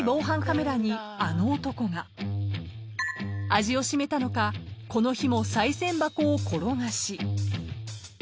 ［味を占めたのかこの日もさい銭箱を転がし］